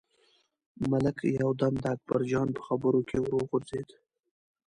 ملک یو دم د اکبرجان په خبرو کې ور وغورځېد.